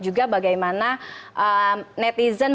juga bagaimana netizen